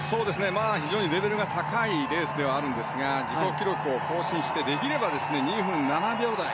非常にレベルが高いレースではありますが自己記録を更新してできれば２分７秒台。